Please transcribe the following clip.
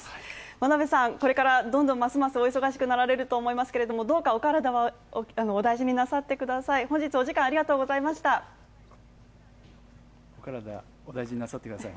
真鍋さん、これからますますお忙しくなられるかと思いますがどうかお体はお大事になさってください。